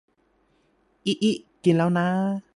อิอิ กินละน้า